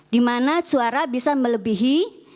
di mana suara bisa melebihi